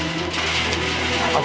adulah asli pahala